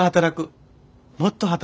もっと働く。